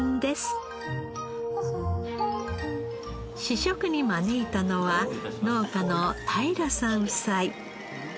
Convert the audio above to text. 試食に招いたのは農家の太平さん夫妻。